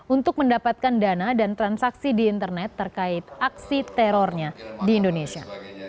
untuk mendapatkan dana dan transaksi di internet terkait aksi terornya di indonesia